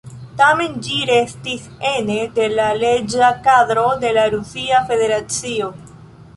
Tamen ĝi restis ene de la leĝa kadro de la Rusia Federacio.